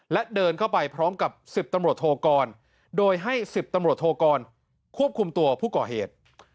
และเดินเข้าไปพร้อมกับ๑๐ตำรวจโทกรโดยให้๑๐ตำรวจโทกรควบคุมตัวผู้ก่อเหตุ